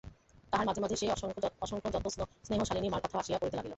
তাহার মাঝে মাঝে সেই অসংযতস্নেহশালিনী মার কথাও আসিয়া পড়িতে লাগিল।